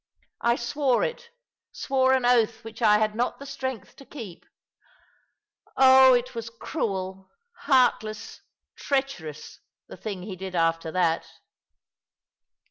I swore it— swore an oath which I had not the strength to keep. Oh, it was cruel, heartless, treacherous — the thing he did after that.